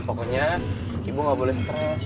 pokoknya ibu gak boleh stress